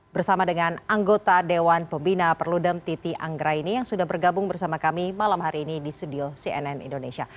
bersama dengan anggota dewan pembina perludem titi anggraini yang sudah bergabung bersama kami malam hari ini di studio cnn indonesia